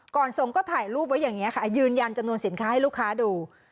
ส่งก็ถ่ายรูปไว้อย่างนี้ค่ะยืนยันจำนวนสินค้าให้ลูกค้าดู